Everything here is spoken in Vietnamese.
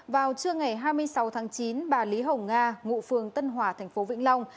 vào trưa ngày hai mươi sáu tháng chín bà lý hồng nga ngụ phường tân hòa tp vĩnh long